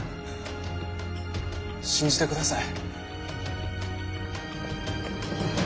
信じてください。